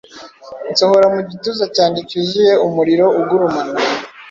Nsohora mu gituza cyanjye cyuzuye umuriro ugurumana,